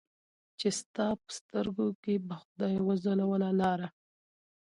چې ستا په سترګو کې به خدای وځلوله لاره